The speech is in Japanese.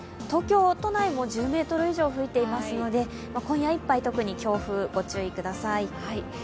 東京都内も１０メートル以上吹いていますので、今夜いっぱい、特に強風にご注意ください。